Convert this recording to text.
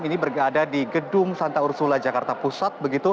ini berada di gedung santa ursula jakarta pusat